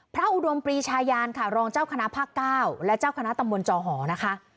อุดมปรีชายานค่ะรองเจ้าคณะภาคเก้าและเจ้าคณะตำบลจอหอนะคะ